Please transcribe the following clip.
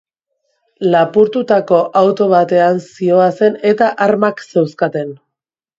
Lapurtutako auto batean zihoazen eta armak zeuzkaten.